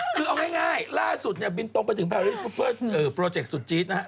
คือเอาง่ายล่าสุดบินตรงไปถึงโปรเจกต์สุดจี๊ดนะฮะ